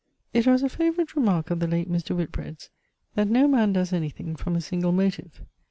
It was a favourite remark of the late Mr. Whitbread's, that no man does any thing from a single motive.